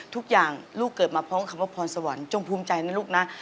ลูกเกิดมาพร้อมคำว่าพรสวรรค์จงภูมิใจนะลูกนะ